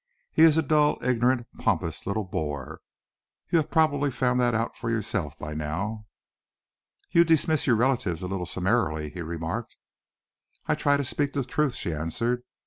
"He is a dull, ignorant, pompous little bore. You have probably found that out for yourself by now." "You dismiss your relatives a little summarily," he remarked. "I try to speak the truth," she answered.